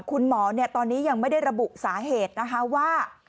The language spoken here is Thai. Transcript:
คุณหมอตอนนี้ยังไม่ได้ระบุสาเหตุนะคะว่า